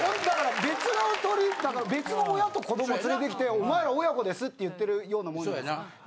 別の鶏だから別の親と子ども連れてきてお前ら親子ですって言ってるようなもんじゃないですか。